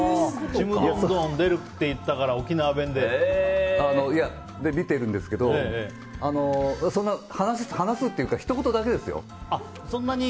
「ちむどんどん」出るって言ったから見てるんですけど、そんな話すというか、ひと言だけですよ。